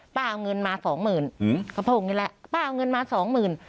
ป้าเอาเงินมาสองหมื่นก็พูดอย่างเงี้ยแหละป้าเอาเงินมาสองหมื่น